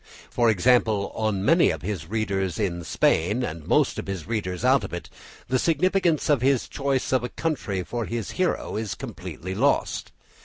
For example, on many of his readers in Spain, and most of his readers out of it, the significance of his choice of a country for his hero is completely lost.